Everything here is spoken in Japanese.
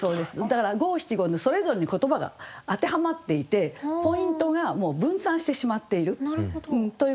だから五七五のそれぞれに言葉が当てはまっていてポイントがもう分散してしまっているということなんですね。